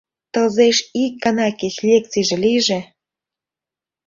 Тылзеш ик гана кеч лекцийже лийже.